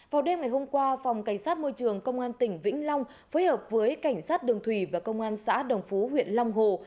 vào đêm ngày hôm qua phòng cảnh sát môi trường công an tỉnh vĩnh long phối hợp với cảnh sát đường thủy và công an xã đồng phú huyện long hồ